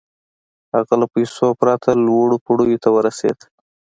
هغه له پيسو پرته لوړو پوړيو ته ورسېد.